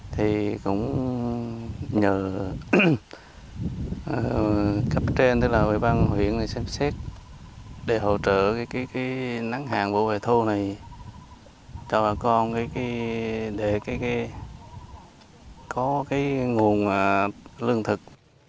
thì cũng nhờ cấp trên tức là ủy ban huyện xem xét để hỗ trợ cái nắng hạn vụ hệ thu này cho bà con để có cái nguồn lương thực